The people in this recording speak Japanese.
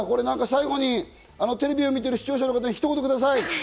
最後にテレビを見ている視聴者の方にひと言ください。